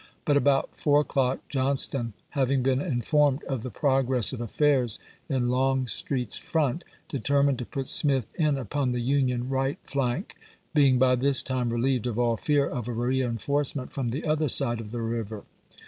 But about four o'clock Johnston, having been informed of the progress of affairs in Longstreet's front, deter mined to put Smith in upon the Union right flank, being by this time relieved of all fear of a re enforcement from the other side of the river.